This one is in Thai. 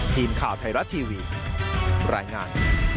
ทีมข่าวไทยรัฐทีวีรายงาน